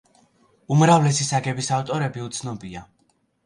უმრავლესი საგების ავტორები უცნობია.